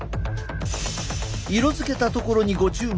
色づけたところにご注目。